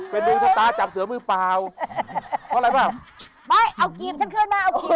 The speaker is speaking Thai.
เป็นดวงชะตาจับเสื้อมือเปล่าเพราะอะไรบ้าง